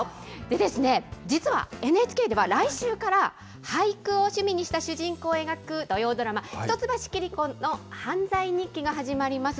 でですね、実はＮＨＫでは来週から俳句を趣味にした主人公を描く、土曜ドラマ、一橋桐子の犯罪日記が始まります。